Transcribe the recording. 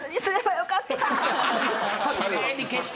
きれいに消したね。